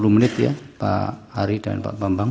sembilan puluh menit ya pak ari dan pak bambang